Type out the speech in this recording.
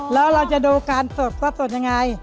แล้วเราจะดูการสดว่าสดยังไง